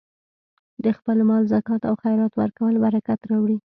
د خپل مال زکات او خیرات ورکول برکت راوړي.